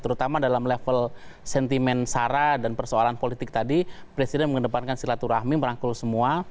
terutama dalam level sentimen sara dan persoalan politik tadi presiden mengedepankan silaturahmi merangkul semua